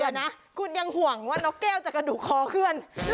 เดี๋ยวนะคุณยังห่วงว่านกแก้วจะกระดูกคอเคลื่อน